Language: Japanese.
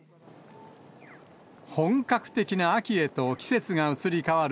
本格的な秋へと季節が移り変わる